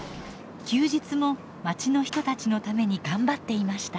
休日もまちの人たちのために頑張っていました。